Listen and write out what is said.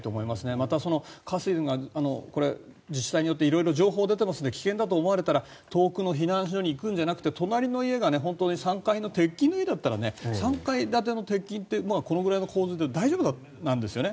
また、河川がこれ自治体によって色々情報が出てますので危険だと思われたら遠くの避難所に行くんじゃなくて隣の家が本当に３階の鉄筋の家だったら３階建ての鉄筋ってこれぐらいの洪水大丈夫なんですよね。